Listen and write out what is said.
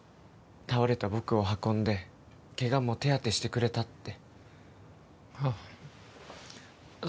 倒れた僕を運んでケガも手当てしてくれたってあっあ